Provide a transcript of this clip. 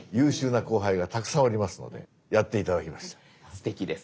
すてきです。